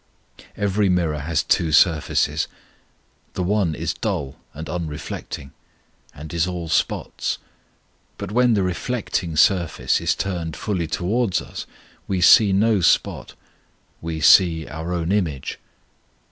Every mirror has two surfaces; the one is dull and unreflecting, and is all spots; but when the reflecting surface is turned fully towards us we see no spot, we see our own image.